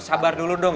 sabar dulu dong